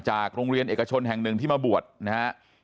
จากโรงเรียนเอกชนแห่งหนึ่งที่มาบวชนะฮะ